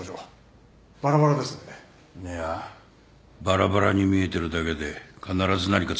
いやバラバラに見えてるだけで必ず何かつながりがあるはずだ。